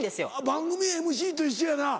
番組ＭＣと一緒やな。